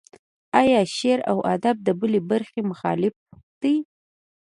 ایا شعر و ادب د بلې برخې مخالف دی.